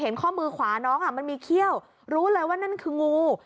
ข้อมือขวาน้องมันมีเขี้ยวรู้เลยว่านั่นคืองู